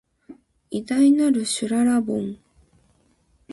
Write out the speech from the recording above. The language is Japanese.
偉大なる、しゅららぼん